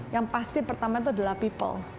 yang pasti pertama itu adalah people